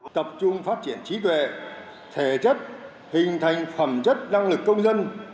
tập trung phát triển trí tuệ thể chất hình thành phẩm chất năng lực công dân